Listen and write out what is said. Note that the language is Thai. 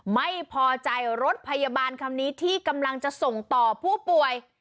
ไม่พอใจรถพยาบาลคันนี้ที่กำลังจะส่งต่อผู้ป่วย